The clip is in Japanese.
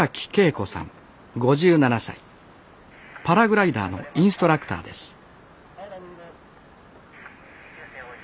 パラグライダーのインストラクターです